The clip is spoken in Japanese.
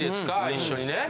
一緒にね。